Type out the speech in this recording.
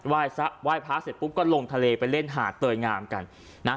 ไหว้พระเสร็จปุ๊บก็ลงทะเลไปเล่นหาดเตยงามกันนะ